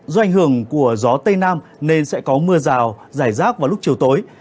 do ảnh hưởng của gió tây nam nên sẽ có mưa rào rải rác vào lúc chiều tối